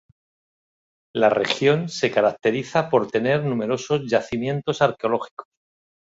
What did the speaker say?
La región se caracteriza por tener numerosos yacimientos arqueológicos.